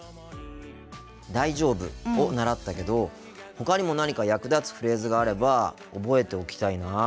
「大丈夫？」を習ったけどほかにも何か役立つフレーズがあれば覚えておきたいな。